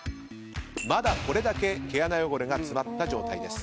まだこれだけ毛穴汚れが詰まった状態です。